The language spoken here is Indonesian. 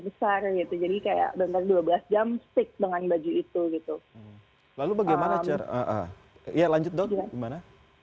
besar gitu jadi kayak benar dua belas jam stick dengan baju itu gitu lalu bagaimana ya lanjut dong gimana